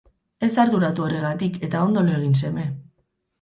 Ez arduratu horregatik eta ondo lo egin seme.